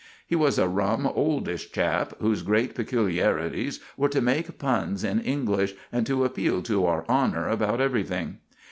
He was a rum, oldish chap, whose great peculiarities were to make puns in English and to appeal to our honor about everything.